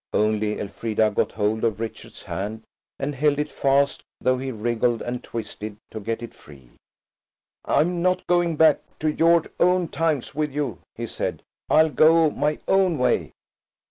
Only Elfrida got hold of Richard's hand and held it fast, though he wriggled and twisted to get it free. "I'm not going back to your own times with you," he said. "I'll go my own way."